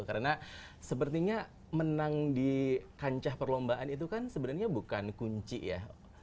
karena sepertinya menang di kancah perlombaan itu kan sebenarnya bukan kunci ya